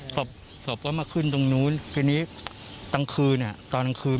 ศพก็มาขึ้นตรงนู้นทีนี้ตั้งคืนตอนต้องคืน